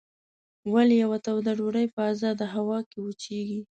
ولې یوه توده ډوډۍ په ازاده هوا کې وچیږي؟